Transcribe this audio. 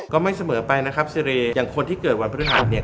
ก็ไม่เสมอไปนะครับซีเรย์อย่างคนที่เกิดวันพฤหัสเนี่ย